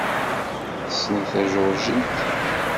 Tessneḍ tajuṛjit?